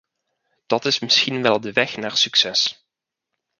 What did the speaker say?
Dat is misschien wel de weg naar succes.